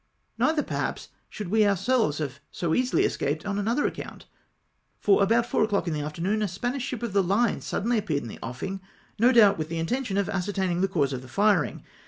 Neither, perhaps, should we ourselves have so easily escaped, on another account, — for about four o'clock in the afternoon a Spamsh ship of the fine suddenly appeared in the offing, no doubt Avith the intention of ascertaining the cause of the firing.